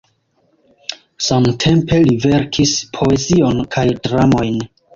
Samtempe li verkis poezion kaj dramojn.